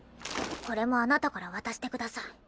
これもあなたから渡してください。